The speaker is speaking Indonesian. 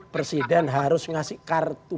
presiden harus ngasih kartu